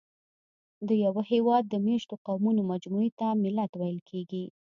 د یوه هېواد د مېشتو قومونو مجموعې ته ملت ویل کېږي.